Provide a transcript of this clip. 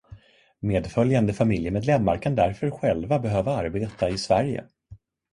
Medföljande familjemedlemmar kan därför själva behöva arbeta i Sverige.